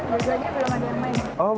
mobilnya belum ada yang main